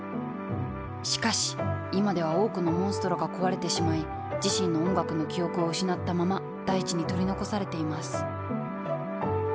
しかし今では多くのモンストロが壊れてしまい自身の音楽の記憶を失ったまま大地に取り残されています。